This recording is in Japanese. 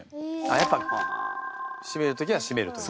やっぱ締める時は締めるという。